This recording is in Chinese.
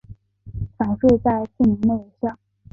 返税在四年内有效。